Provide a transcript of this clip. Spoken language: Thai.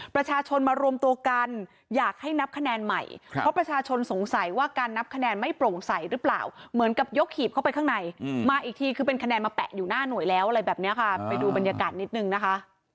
ประชาชนมารวมตัวกันอยากให้นับคะแนนใหม่เพราะประชาชนสงสัยว่าการนับคะแนนไม่โปร่งใสหรือเปล่าเหมือนกับยกหีบเข้าไปข้างในมาอีกทีคือเป็นคะแนนมาแปะอยู่หน้าหน่วยแล้วอะไรแบบนี้ค่ะไปดูบรรยากาศนิดนึงนะคะ